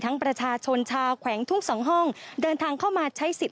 ประชาชนชาวแขวงทุกสองห้องเดินทางเข้ามาใช้สิทธิ